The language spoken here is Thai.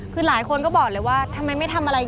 คือหลายคนก็บอกเลยว่าทำไมไม่ทำอะไร